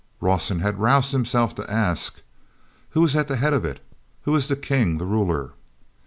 Rawson had roused himself to ask: "Who it at the head of it? Who is the king, the ruler?"